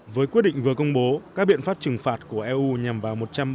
với quyết định vừa công bố các biện pháp trừng phạt của eu nhằm vào